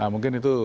nah mungkin itu